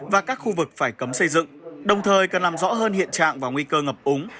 và các khu vực phải cấm xây dựng đồng thời cần làm rõ hơn hiện trạng và nguy cơ ngập úng